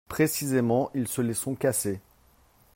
Précisément, ils se les sont cassées